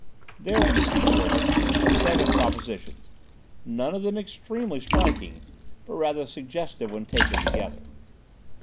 "There, you see, Jervis, are seven propositions, none of them extremely striking, but rather suggestive when taken together."